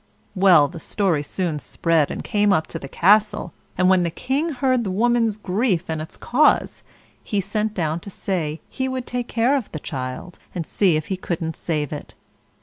Well, the story soon spread, and came up to the castle; and when the King heard the woman's grief and its cause, he sent down to say he would take care of the child, and see if he couldn't save it.